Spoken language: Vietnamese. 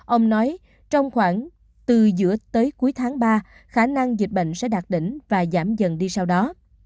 ông nói trong khoảng từ giữa tới cuối tháng ba khả năng dịch bệnh sẽ đạt đỉnh và giảm dần đi sau đó